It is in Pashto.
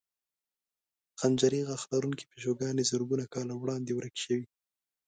خنجري غاښ لرونکې پیشوګانې زرګونو کاله وړاندې ورکې شوې.